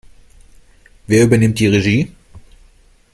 Wer übernimmt die Regie?